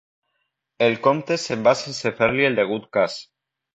El comte se'n va sense fer-li el degut cas.